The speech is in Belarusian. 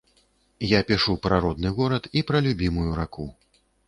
Я пішу пра родны горад і пра любімую раку.